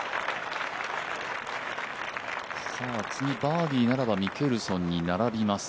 次バーディーならばミケルソンに並びます。